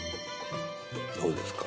どうですか？